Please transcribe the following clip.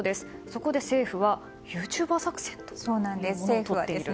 そこで政府はユーチューバー作戦というものを取っている。